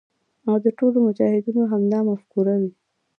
او د ټولو مجاهدینو همدا مفکوره وي.